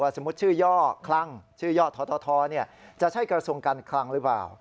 สมมุติชื่อย่อคลั่งชื่อย่อททจะใช่กระทรวงการคลังหรือเปล่า